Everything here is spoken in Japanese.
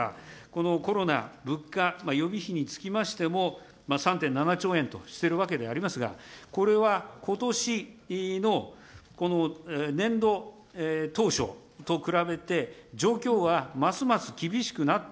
このコロナ、物価予備費につきましても、３．７兆円としてるわけでありますが、これはことしのこの年度当初と比べて、状況はますます厳しくなっ